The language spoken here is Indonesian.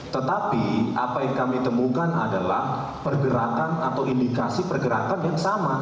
tetapi apa yang kami temukan adalah pergerakan atau indikasi pergerakan yang sama